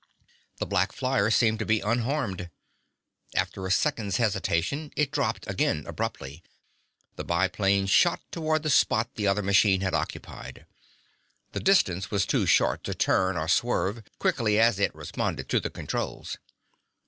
The black flyer seemed to be unharmed. After a second's hesitation, it dropped again abruptly. The biplane shot toward the spot the other machine had occupied. The distance was too short to turn or swerve, quickly as it responded to the controls.